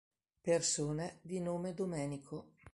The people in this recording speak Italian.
Persone di nome Domenico